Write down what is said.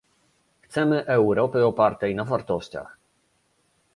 Chcemy Europy opartej na wartościach